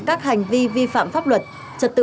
các hành vi vi phạm pháp luật